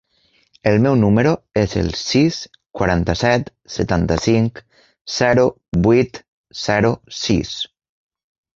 El meu número es el sis, quaranta-set, setanta-cinc, zero, vuit, zero, sis.